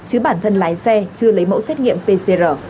chứ bản thân lái xe chưa lấy mẫu xét nghiệm pcr